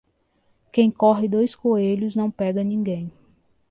Quem corre dois coelhos não pega ninguém.